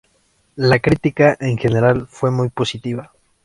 La crítica en general fue muy positiva.